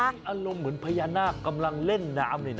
อารมณ์เหมือนพญานาคกำลังเล่นน้ำเลยนะ